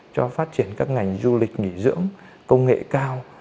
cho phát triển các ngành du lịch nghỉ dưỡng công nghệ cao